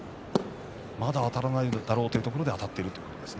まだあたらないだろうというところであたっているわけですね。